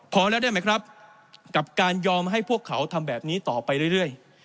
พอแล้วได้ไหมครับกับการยอมให้พวกเขาทำแบบนี้ต่อไปเรื่อย